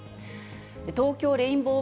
東京レインボー